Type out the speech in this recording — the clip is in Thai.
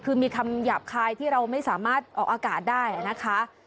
คือมีคำหยาบคายที่เราไม่สามารถออกอากาศได้นะคะ